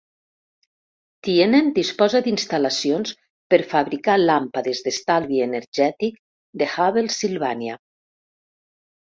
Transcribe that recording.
Tienen disposa d'instal·lacions per fabricar làmpades d'estalvi energètic de Havells-Sylvania.